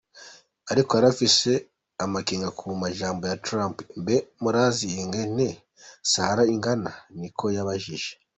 Ariko yarafise amakenga ku majambo ya Trump: "Mbe murazi ingene Sahara ingana?" Niko yabajije.